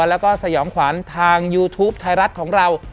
แล้วก็สยองขวัญทางยูทูปไทยรัฐของเรา